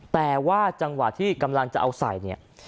แต่ว่าจังหวะที่กำลังจะเอาใส่เนี่ย